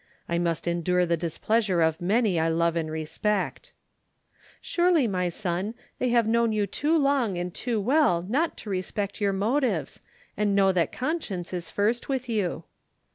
I must endure the displeasure of many I love and respect." "Surely, my son, they have known you too long and too well not to respect your motives, and know that conscience is first with you."